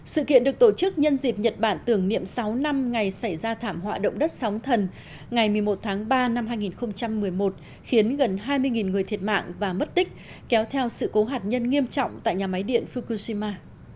sự kiện được tổ chức nhân dịp nhật bản tưởng niệm sáu năm ngày xảy ra thảm họa động đất sóng thần ngày một mươi một tháng ba năm hai nghìn một mươi một khiến gần hai mươi người thiệt mạng và mất tích kéo theo sự cố hạt nhân nghiêm trọng tại nhà máy điện fukushima